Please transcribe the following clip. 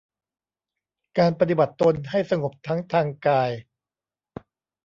การปฏิบัติตนให้สงบทั้งทางกาย